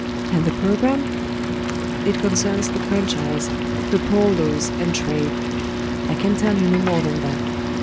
"And the programme?" "It concerns the Franchise, the Poor Laws and Trade. I can tell you no more than that.